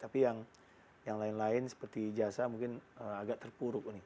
tapi yang lain lain seperti jasa mungkin agak terpuruk nih